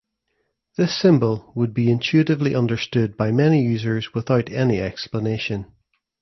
This symbol would be intuitively understood by many users without any explanation.